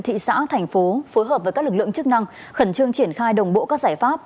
thị xã thành phố phối hợp với các lực lượng chức năng khẩn trương triển khai đồng bộ các giải pháp